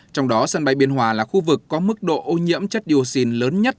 trong đó sân bay biên hòa là khu vực có mức độ ô nhiễm chất dioxin lớn nhất